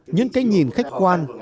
những cái nhìn khách quan